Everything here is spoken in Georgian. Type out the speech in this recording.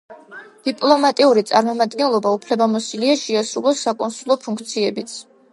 დიპლომატიური წარმომადგენლობა უფლებამოსილია შეასრულოს საკონსულო ფუნქციებიც.